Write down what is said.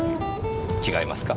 違いますか？